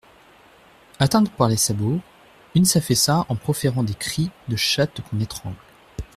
Atteinte par les sabots, une s'affaissa en proférant des cris de chatte qu'on étrangle.